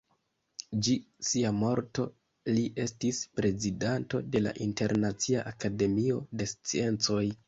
Ĝis sia morto li estis prezidanto de la Internacia Akademio de Sciencoj.